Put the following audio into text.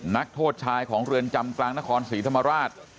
นักโทษชายของเรือนจำกลางนครศรีธรรมราช